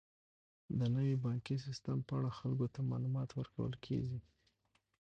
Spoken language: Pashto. د نوي بانکي سیستم په اړه خلکو ته معلومات ورکول کیږي.